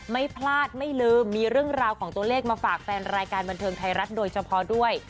ไม่พลาดไม่ลืมมีเรื่องราวของตัวเลขมาฝากแฟนรายการบันเทิงไทยรัฐโดยเฉพาะด้วย